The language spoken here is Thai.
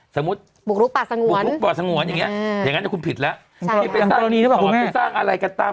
สมมุติบุกลุกป่าสงวนอย่างนั้นคุณผิดแล้ว